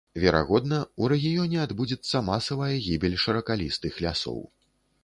Верагодна, у рэгіёне адбудзецца масавая гібель шыракалістых лясоў.